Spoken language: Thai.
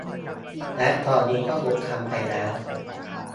และตอนนี้ก็หยุดทำไปแล้ว